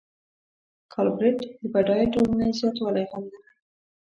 ګالبرېټ د بډایه ټولنې زیاتوالی غندلی.